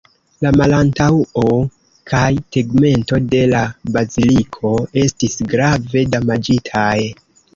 La malantaŭo kaj tegmento de la baziliko estis grave damaĝitaj.